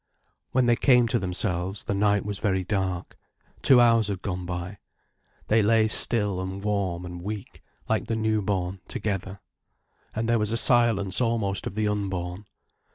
When they came to themselves, the night was very dark. Two hours had gone by. They lay still and warm and weak, like the new born, together. And there was a silence almost of the unborn.